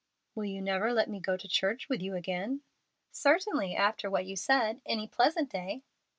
"Will you never let me go to church with you again?" "Certainly, after what you said, any pleasant day."